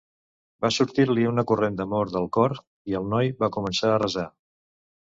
Va sortir-li una corrent d'amor del cor, i el noi va començar a resar.